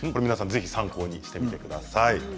ぜひ参考にしてみてください。